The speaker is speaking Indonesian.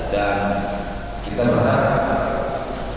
dan kita berharap